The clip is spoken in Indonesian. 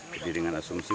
jadi dengan asurasi